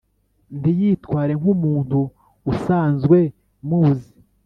,ntiyitware nk’umuntu usanzwe muzi